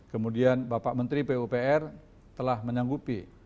kemudian bapak menteri pupr telah menyanggupi